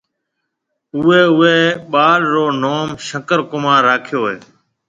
اُوئي اُوئي ٻاݪ رو نوم شنڪر ڪمار راکيو۔